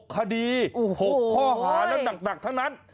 ๖คดี๖ข้อหาแล้วหนักทั้งนั้น